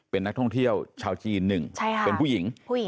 เป็นนักท่องเที่ยวชาวจีน๑เป็นผู้หญิง